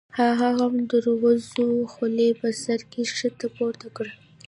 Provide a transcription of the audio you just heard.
هغه هم د دروزو خولۍ په سر کې ښکته پورته کړه.